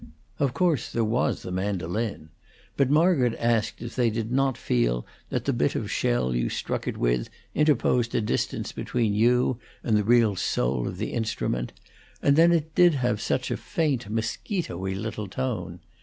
Of course, there was the mandolin; but Margaret asked if they did not feel that the bit of shell you struck it with interposed a distance between you and the real soul of the instrument; and then it did have such a faint, mosquitoy little tone!